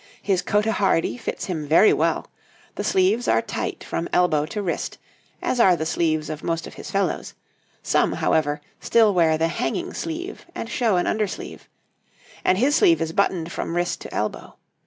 His cotehardie fits him very well: the sleeves are tight from elbow to wrist, as are the sleeves of most of his fellows some, however, still wear the hanging sleeve and show an under sleeve and his sleeve is buttoned from wrist to elbow.